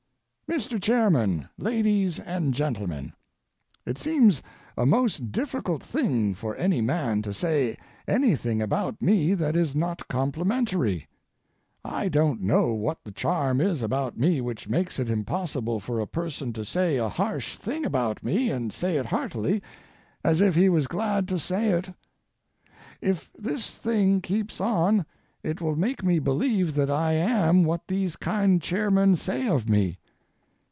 MR. CHAIRMAN, LADIES AND GENTLEMEN,—It seems a most difficult thing for any man to say anything about me that is not complimentary. I don't know what the charm is about me which makes it impossible for a person to say a harsh thing about me and say it heartily, as if he was glad to say it. If this thing keeps on it will make me believe that I am what these kind chairmen say of me.